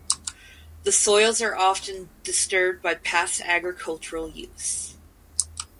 The soils are often disturbed by past agricultural use.